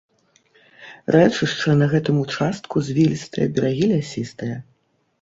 Рэчышча на гэтым участку звілістае, берагі лясістыя.